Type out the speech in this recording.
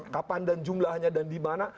kapan dan jumlahnya dan dimana